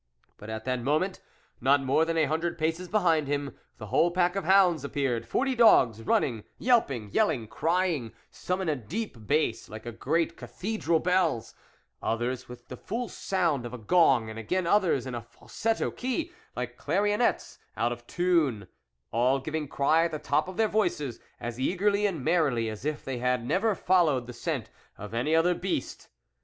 But at that moment, not more than a hundred paces behind him, the whole pack of hounds appeared, forty dogs, running, yelping, yelling, crying, some in a deep bass like great cathedral bells, others with the full sound of a gong, and again others in a falsetto key, like clarionettes out oi tune, all giving cry at the top of their voices, as eagerly and merrily as if they had never followed the scent of any other beast.